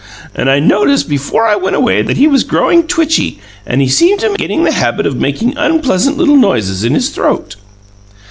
And I noticed before I went away that he was growing twitchy, and seemed to be getting the habit of making unpleasant little noises in his throat."